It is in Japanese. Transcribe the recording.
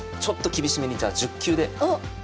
ちょっと厳しめにじゃあ１０級で。